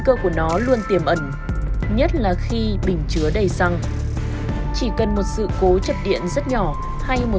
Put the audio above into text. cơ của nó luôn tiềm ẩn nhất là khi bình chứa đầy xăng chỉ cần một sự cố chập điện rất nhỏ hay một